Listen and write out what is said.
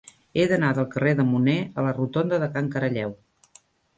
He d'anar del carrer de Munné a la rotonda de Can Caralleu.